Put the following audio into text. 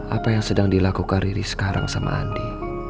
apa yang sedang dilakukan riri sekarang sama andi